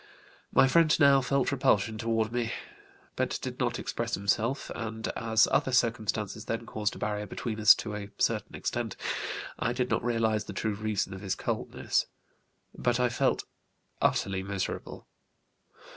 My friend now felt repulsion toward me, but did not express himself, and as other circumstances then caused a barrier between us to a certain extent, I did not realize the true reason of his coldness. But I felt utterly miserable.